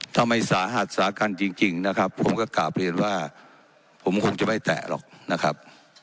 ไม่สาหัสสากันจริงนะครับผมก็กลับเรียนว่าผมคงจะไม่แตะหรอกนะครับ